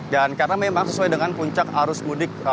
dan karena memang sesuai dengan puncak arus mudik